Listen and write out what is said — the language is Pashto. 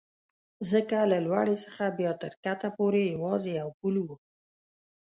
ځکه له لوړې څخه بیا تر کښته پورې یوازې یو پل و.